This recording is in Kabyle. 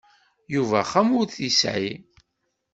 Yuba axxam ur t-yesεi.